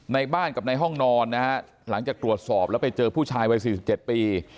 ในบ้านกับในห้องนอนนะฮะหลังจากตรวจสอบแล้วไปเจอผู้ชายวัย๔๗ปี